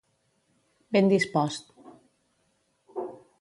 Ben dispost.